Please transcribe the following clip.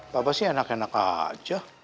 bapak sih enak enak aja